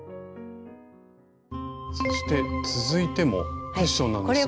そして続いてもクッションなんですが。